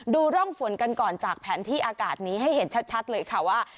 ร่องฝนกันก่อนจากแผนที่อากาศนี้ให้เห็นชัดเลยค่ะว่า